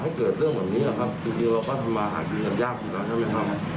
แต่เรื่องแบบนี้จริงเราก็ทำมาทายกินกันยากอยู่แล้วใช่ไหมครับ